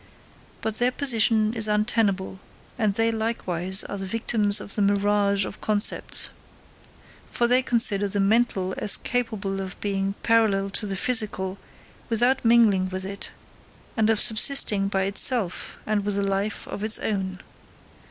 But their position is untenable, and they likewise are the victims of the mirage of concepts; for they consider the mental as capable of being parallel to the physical without mingling with it, and of subsisting by itself and with a life of its own.